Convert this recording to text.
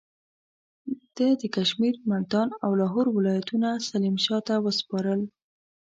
ده د کشمیر، ملتان او لاهور ولایتونه سلیم شاه ته وسپارل.